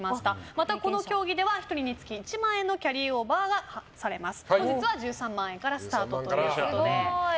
またこの競技では１人につき１万円のキャリーオーバーがされます。